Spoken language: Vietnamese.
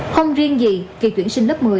không riêng gì kỳ tuyển sinh lớp một mươi